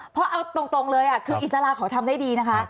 เพราะเอาตรงเลยคืออิสระเขาทำได้ดีนะคะ